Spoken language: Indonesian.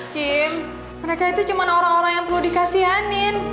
jim mereka itu cuma orang orang yang perlu dikasihanin